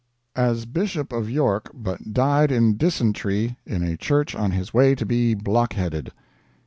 As Bishop of York but died in disentry in a church on his way to be blockheaded.